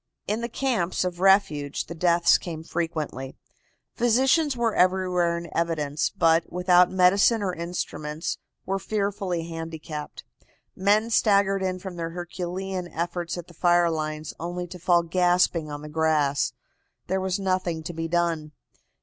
In the camps of refuge the deaths came frequently. Physicians were everywhere in evidence, but, without medicine or instruments, were fearfully handicapped. Men staggered in from their herculean efforts at the fire lines, only to fall gasping on the grass. There was nothing to be done.